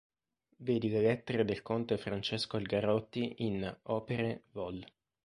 Vedi le lettere del Conte Francesco Algarotti in "Opere" Vol.